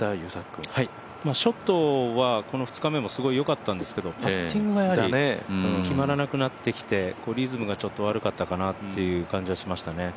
ショットは２日目もすごく良かったんですけど、パッティングがやはり決まらなくなってきて、リズムが悪かったかなという感じがしましたね。